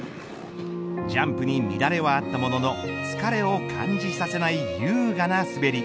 ジャンプに乱れはあったものの疲れを感じさせない優雅な滑り。